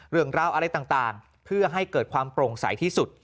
เรื่องราวอะไรต่างเพื่อให้เกิดความโปร่งใสที่สุด